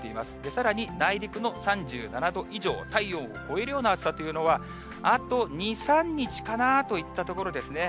さらに内陸の３７度以上、体温を超えるような暑さというのは、あと２、３日かなといったところですね。